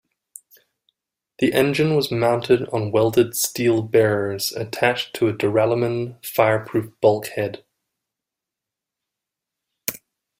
The engine was mounted on welded steel bearers attached to a duralumin fireproof bulkhead.